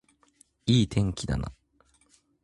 いい天気だな